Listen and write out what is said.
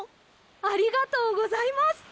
ありがとうございます。